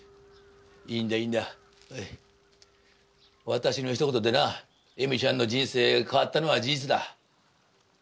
私のひと言でなエミちゃんの人生変わったのは事実だ。